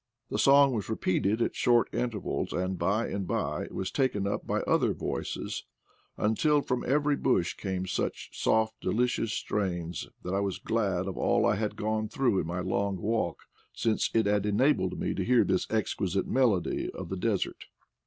The song was repeated at short intervals, and by and by it was taken up by other voices, until from every bush came such soft delicious strains that I was glad of all I had gone through in my long walk, since it had enabled me to hear this exquisite melody of the desert.